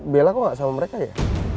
bella kok nggak sama mereka ya